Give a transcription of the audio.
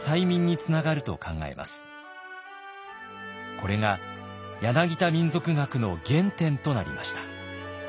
これが柳田民俗学の原点となりました。